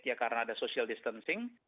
ya karena ada social distancing